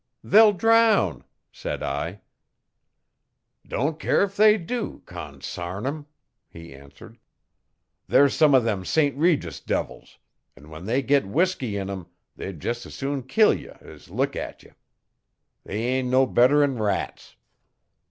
'They'll drown,' said I. 'Don't care if they do, consam 'em,' he answered. 'They're some o' them St Regis devils, an' when they git whisky in 'em they'd jes' soon kill ye as look at ye. They am' no better 'n rats.'